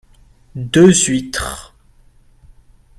Deux huîtres.